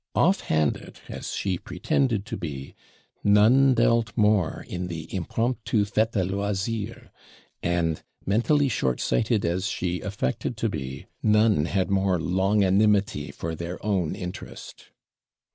OFF HANDED as she pretended to be, none dealt more in the IMPROMPTU FAIT A LOISIR; and mentally short sighted as she affected to be, none had more LONGANIMITY for their own interest.